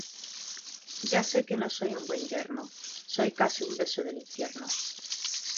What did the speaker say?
Ya sé que no soy un buen yerno, soy casi un beso del infierno.